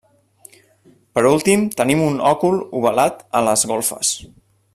Per últim tenim un òcul ovalat a les golfes.